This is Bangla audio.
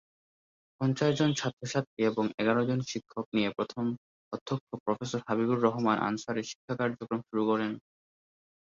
পঞ্চাশ জন ছাত্রছাত্রী এবং এগার জন শিক্ষক নিয়ে প্রথম অধ্যক্ষ প্রফেসর হাবিবুর রহমান আনসারী শিক্ষা কার্যক্রম শুরু করেন।